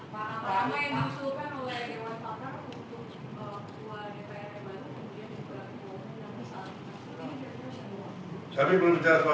pak apa yang diusulkan oleh dewan pantang untuk keluar dpr yang baru kemudian diperanjukan